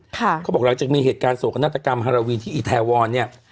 เขาบอกหลังจากมีเหตุการณ์โศกนาฏกรรมฮาราวีที่อีแทวรเนี่ย